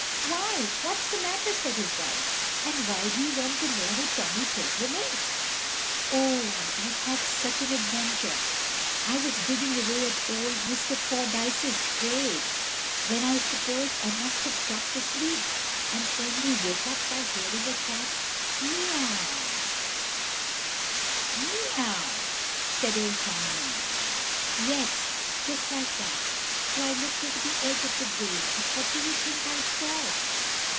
"Why, what's the matter?" said his wife, "and why do you want to know who Tommy Tildrum is?" "Oh, I've had such an adventure. I was digging away at old Mr. Fordyce's grave when I suppose I must have dropped asleep, and only woke up by hearing a cat's Miaou." "Miaou!" said Old Tom in answer. "Yes, just like that! So I looked over the edge of the grave, and what do you think I saw?"